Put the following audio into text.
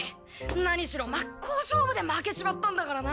何しろ真っ向勝負で負けちまったんだからな。